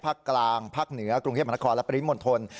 ภาคกลางภาคเหนือกรุงเฮียบนครและประวัติศาสตร์มณฑล